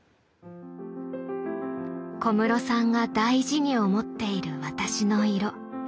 小室さんが大事に思っている私の色。